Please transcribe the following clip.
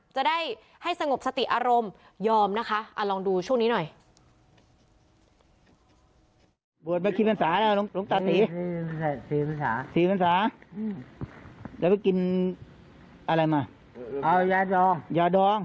จะได้ให้สงบสติอารมณ์ยอมนะคะลองดูช่วงนี้หน่อย